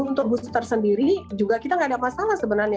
untuk booster sendiri juga kita nggak ada masalah sebenarnya